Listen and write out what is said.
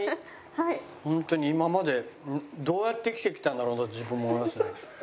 ホントに今までどうやって生きてきたんだろう自分思いますね。